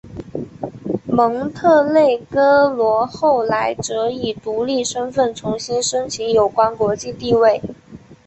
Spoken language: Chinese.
蒙特内哥罗后来则以独立身份重新申请有关国际地位。